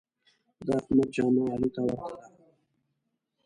د احمد جامه علي ته ورته ده.